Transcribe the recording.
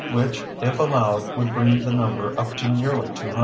which, if allowed, would bring the number up to nearly 200.